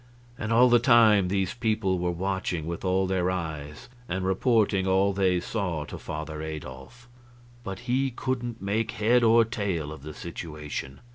And all the time these people were watching with all their eyes and reporting all they saw to Father Adolf. But he couldn't make head or tail of the situation.